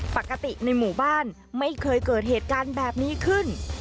ปกติในหมู่บ้านไม่เคยเกิดเหตุการณ์แบบนี้ขึ้น